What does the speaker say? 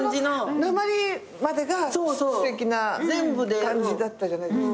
なまりまでがすてきな感じだったじゃないですか。